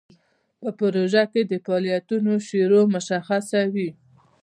په پروژه کې د فعالیتونو شروع مشخصه وي.